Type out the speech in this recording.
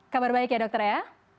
kabar baik ya dokter ya